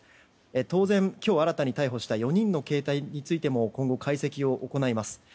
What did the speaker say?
当然、今日逮捕された４人の携帯についても今後、解析を行います。